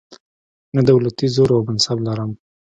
نه دولتي زور او منصب لرم.